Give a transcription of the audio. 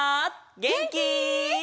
げんき？